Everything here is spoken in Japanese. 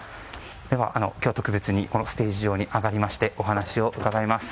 では、今日は特別にステージ上に上がりましてお話を伺います。